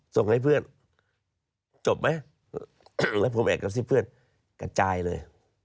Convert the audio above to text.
ส่งให้เพื่อนจบไหมแล้วผมแอบกระซิบเพื่อนกระจายเลย